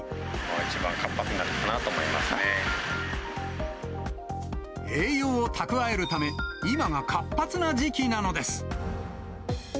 一番活発になるかなと思いま栄養を蓄えるため、今が活発な時期なのです。